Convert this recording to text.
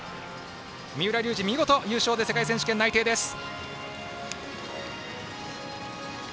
三浦龍司、見事優勝で世界選手権内定です。